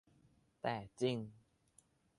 แต่จริง